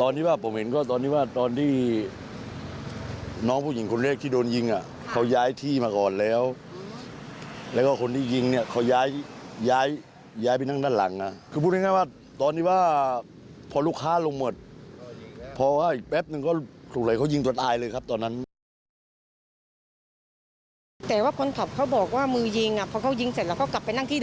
ตอนนั้นก็ถูกเลยเขายิงตัวตายเลยครับ